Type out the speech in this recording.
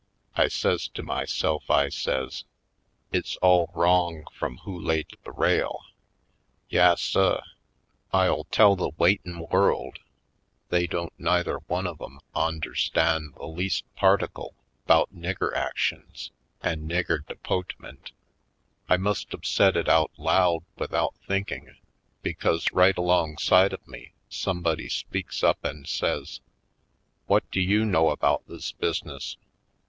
I says to myself, I says : "It's all wrong frum who laid the rail. Yas sub, I'll tell the waitin' world they 130 /. PoindexteTj Colored don't neither one of 'em onderstan' the leas' particle 'bout nigger actions an' nigger de potemint." I must 've said it out loud without think ing, because right alongside me somebody speaks up and says : "What do you know about this business?"